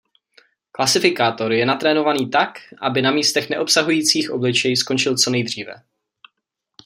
Klasifikátor je natrénovaný tak, aby na místech neobsahujících obličej skončil co nejdříve.